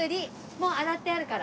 もう洗ってあるから。